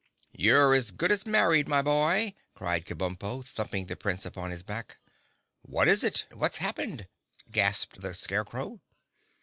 "You're as good as married, my boy!" cried Kabumpo, thumping the Prince upon the back. "What is it? What's happened?" gasped the Scarecrow.